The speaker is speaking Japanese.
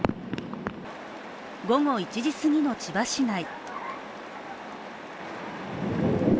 午後１時すぎの千葉市内。